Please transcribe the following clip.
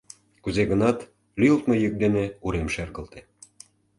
Кузе-гынат, лӱйылтмӧ йӱк дене урем шергылте.